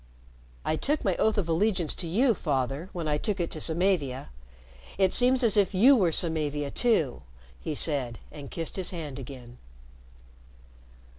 "I took my oath of allegiance to you, Father, when I took it to Samavia. It seems as if you were Samavia, too," he said, and kissed his hand again.